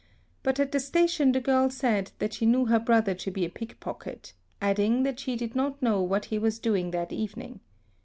But at the station the girl said that she knew her brother to be a pickpocket, adding that she did not know what he was doing that evening.